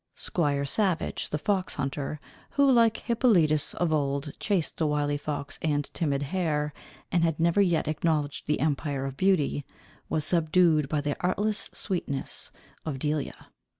Squire Savage, the fox hunter, who, like Hippolitus of old, chased the wily fox and timid hare, and had never yet acknowledged the empire of beauty, was subdued by the artless sweetness of Delia.